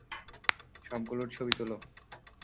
সবগুলোর ছবি তুলো।